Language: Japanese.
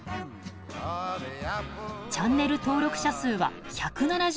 チャンネル登録者数は１７０万人超え。